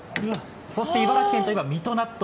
そして茨城県といえば水戸納豆。